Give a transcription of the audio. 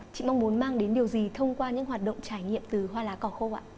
chị mong muốn mang đến điều gì thông qua những hoạt động trải nghiệm từ hoa lá cỏ khô ạ